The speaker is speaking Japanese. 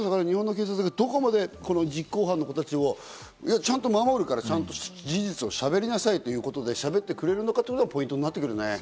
日本の警察が、この実行犯の子達をちゃんと守るから事実をしゃべりなさいということで、しゃべってくれるのかというのがポイントになってくるね。